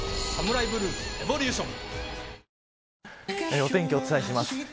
お天気をお伝えします。